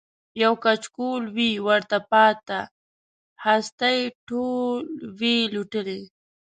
یو کچکول وي ورته پاته هستۍ ټولي وي لوټلي